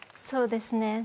そうですね。